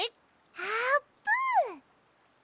あーぷん！